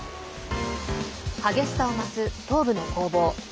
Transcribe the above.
激しさを増す東部の攻防。